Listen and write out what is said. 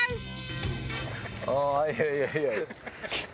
ああいやいやいや。